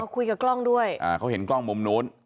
คุยกับกล้องด้วยอ่าเขาเห็นกล้องมุมนู้น